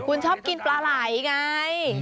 คุณชอบกินปลาไหล่ไง